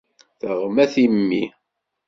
Teɣma timmi.